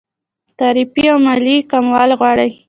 تعرفې او مالیې کمول غواړي.